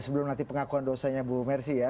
sebelum nanti pengakuan dosanya bu mercy ya